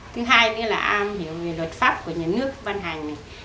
thứ hai nữa là am hiểu về luật pháp của nhà nước văn hành này